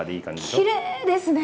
きれいですね。